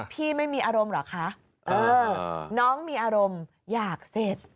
พี่ไม่มีอารมณ์เหรอคะน้องมีอารมณ์อยากเสร็จ